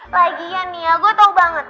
lagian nih ya gue tau banget